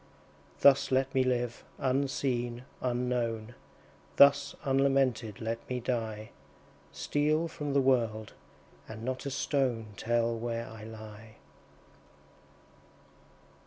Thus let me live, unseen, unknown; Thus unlamented let me die; Steal from the world, and not a stone Tell where I lie.